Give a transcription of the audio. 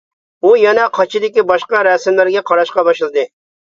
ئۇ يەنە قاچىدىكى باشقا رەسىملەرگە قاراشقا باشلىدى.